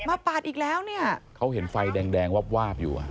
ปาดอีกแล้วเนี่ยเขาเห็นไฟแดงแดงวาบวาบอยู่อ่ะ